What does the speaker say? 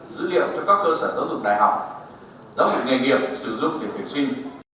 đó là nền nghiệp sử dụng để tiến sinh